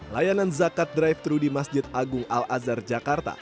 layanan zakat drive thru di masjid agung al azhar jakarta